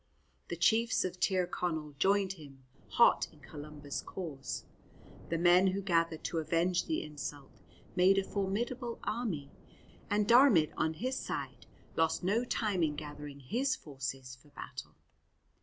The chiefs of Tir Connell joined him, hot in Columba's cause. The men who gathered to avenge the insult made a formidable army, and Diarmaid on his side lost no time in gathering his forces for battle.